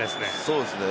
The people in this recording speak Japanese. そうですね。